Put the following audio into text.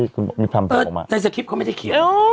คุณบอกมีคำตอบออกมาในสะครีปเขาไม่ได้เขียว